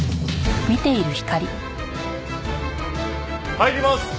入ります！